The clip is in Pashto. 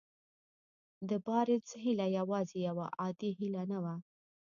د بارنس هيله يوازې يوه عادي هيله نه وه.